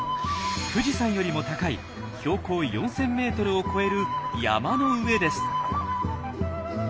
富士山よりも高い標高４，０００ｍを超える山の上です。